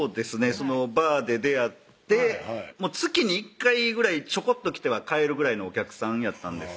そのバーで出会って月に１回ぐらいちょこっと来ては帰るぐらいのお客さんやったんですよ